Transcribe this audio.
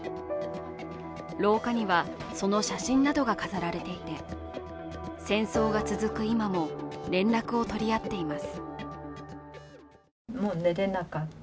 廊下にはその写真などが飾られていて、戦争が続く今も連絡を取り合っています。